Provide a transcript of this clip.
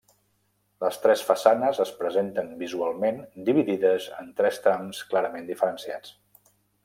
Les tres façanes es presenten visualment dividides en tres trams clarament diferenciats.